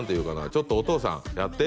ちょっとお父さんやって」